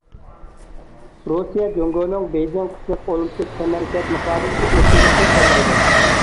رۇسىيە جۇڭگونىڭ بېيجىڭ قىشلىق ئولىمپىك تەنھەرىكەت مۇسابىقىسى ئۆتكۈزۈشىنى قوللايدۇ.